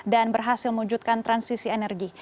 dan berhasil mewujudkan transisi energi